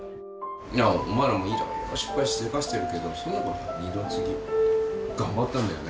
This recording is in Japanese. いやお前らもいろいろ失敗しでかしてるけどそんなの二の次。頑張ったんだよね。